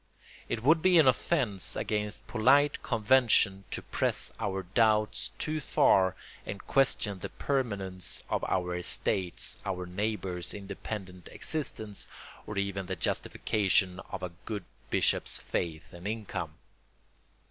It would be an offence against polite conventions to press our doubts too far and question the permanence of our estates, our neighbours' independent existence, or even the justification of a good bishop's faith and income.